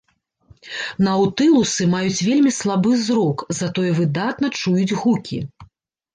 Наўтылусы маюць вельмі слабы зрок, затое выдатна чуюць гукі.